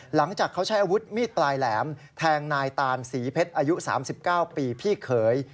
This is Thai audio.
หลังจากเขาใช้อาวุธมีดปลายแหลมแทงนายตานศรีเพชรอายุ๓๙ปีพี่เขย